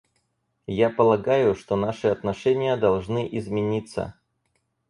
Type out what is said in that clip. Я полагаю, что наши отношения должны измениться.